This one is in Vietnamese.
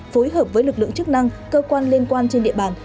phối hợp với lực lượng chức năng cơ quan liên quan trên địa bàn